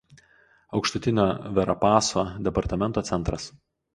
Aukštutinio Verapaso departamento centras.